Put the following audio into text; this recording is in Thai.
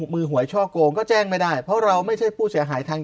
หวยช่อโกงก็แจ้งไม่ได้เพราะเราไม่ใช่ผู้เสียหายทาง